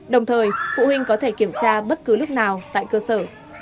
đồng thời phụ huynh có thể kiểm tra bất cứ lúc nào tại cơ sở